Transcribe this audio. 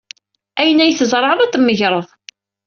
Ayen ay tzerɛeḍ, ad t-tmegreḍ.